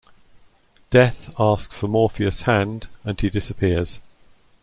Death asks for Morpheus' hand, and he disappears.